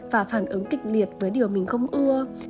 và phản ứng kịch liệt với điều mình không ưa